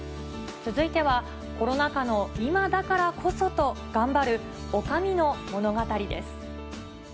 続いては、コロナ禍の今だからこそと頑張る、おかみの物語です。